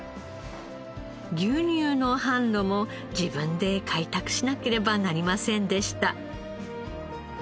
牛乳の販路も自分で開拓しなければなりませんでした。